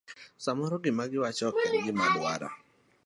Samoro gima giwacho ok en gima dwara.